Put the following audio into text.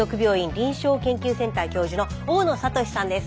臨床研究センター教授の大野智さんです。